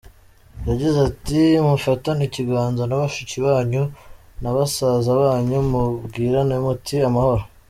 Yagize ati “ Mufatane ikiganza na bashiki banyu na basaza banyu mubwirane muti ‘Amahoro’.